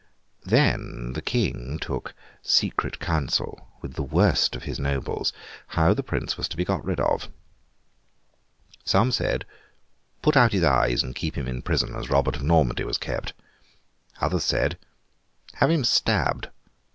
Then, the King took secret counsel with the worst of his nobles how the Prince was to be got rid of. Some said, 'Put out his eyes and keep him in prison, as Robort of Normandy was kept.' Others said, 'Have him stabbed.